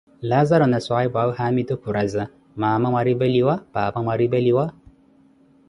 Laazaru na swaahipuawe haamitu khuraza: mama mwaripeliwa, paapa mwaripeliwa?